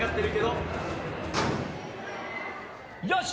よし！